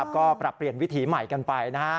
ก็ปรับเปลี่ยนวิถีใหม่กันไปนะฮะ